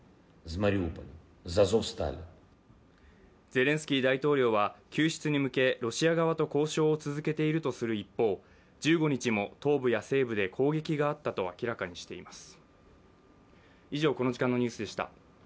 ゼレンスキー大統領は救出に向けロシア側と交渉を続けているとする一方、１５日も東部や西部で攻撃があったと明らかにしています。